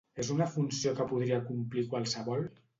És una funció que podria complir qualsevol?